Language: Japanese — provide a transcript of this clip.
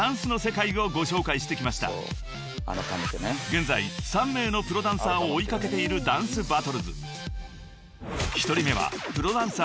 ［現在３名のプロダンサーを追い掛けている『ダンスバトルズ』］［１人目は］